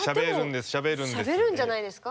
でもしゃべるんじゃないですか？